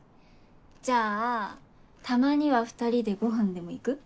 じゃあたまには２人でごはんでも行く？